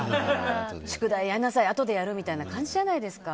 宿題やりなさい、あとでやるみたいな感じじゃないですか。